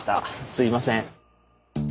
すいません。